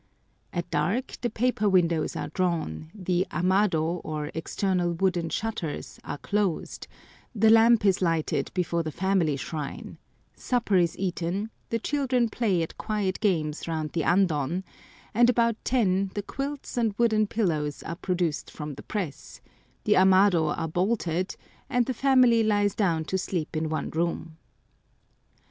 At dark the paper windows are drawn, the amado, or external wooden shutters, are closed, the lamp is lighted before the family shrine, supper is eaten, the children play at quiet games round the andon; and about ten the quilts and wooden pillows are produced from the press, the amado are bolted, and the family lies down to sleep in one room.